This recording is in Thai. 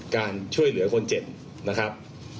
การช่วยเหลือคนเจ็บนะครับ